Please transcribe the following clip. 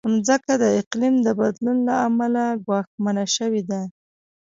مځکه د اقلیم د بدلون له امله ګواښمنه شوې ده.